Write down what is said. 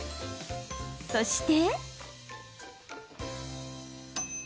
そして。